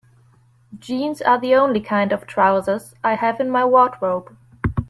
Jeans are the only kind of trousers I have in my wardrobe.